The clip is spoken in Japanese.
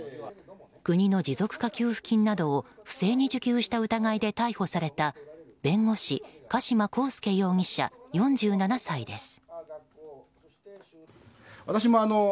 国の持続化給付金などを不正に受給した疑いで逮捕された弁護士加島康介容疑者、４７歳です。